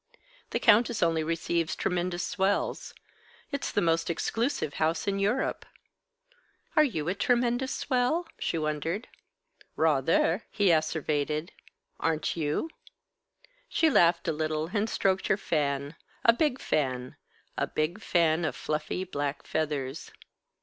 "The Countess only receives tremendous swells. It's the most exclusive house in Europe." "Are you a tremendous swell?" she wondered. "Rather!" he asseverated. "Aren't you?" She laughed a little, and stroked her fan, a big fan, a big fan of fluffy black feathers.